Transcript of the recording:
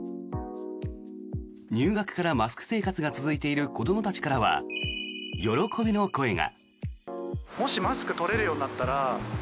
入学からマスク生活が続いている子どもたちからは喜びの声が。